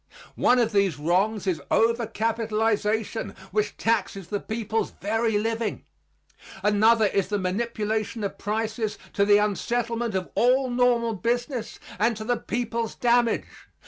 One of these wrongs is over capitalization which taxes the people's very living. Another is the manipulation of prices to the unsettlement of all normal business and to the people's damage.